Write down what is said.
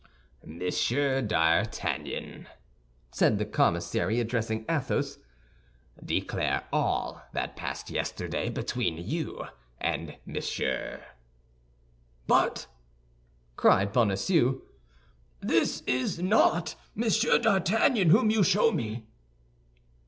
"Monsieur d'Artagnan," said the commissary, addressing Athos, "declare all that passed yesterday between you and Monsieur." "But," cried Bonacieux, "this is not Monsieur d'Artagnan whom you show me."